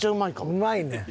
うまいねん。